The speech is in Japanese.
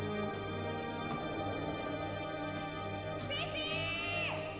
ピピ！